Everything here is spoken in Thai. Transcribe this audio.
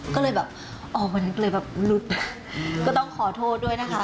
ก็เลยแบบอ๋อวันนั้นก็เลยแบบหลุดก็ต้องขอโทษด้วยนะคะ